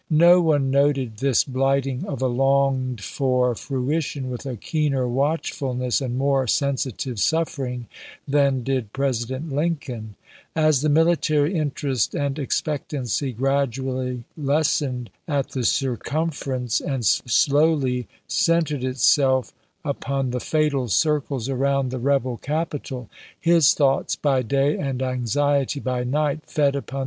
No one noted this blighting of a longed for frui tion with a keener watchfulness and more sensitive suffering than did President Lincoln. As the mili • tary interest and expectancy gradually lessened at YoL. YL— 8 113 114 . ABRAHAM LINCOLN Chap. VI. the circumf erencG and slowly centerea itself upon the fatal circles around the rebel capital, his thoughts by day and anxiety by night fed upon 1862.